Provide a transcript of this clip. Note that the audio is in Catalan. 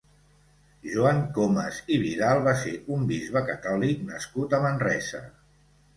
Joan Comes i Vidal va ser un bisbe catòlic nascut a Manresa.